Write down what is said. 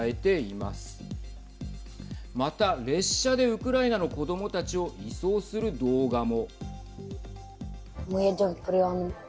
また列車でウクライナの子どもたちを移送する動画も。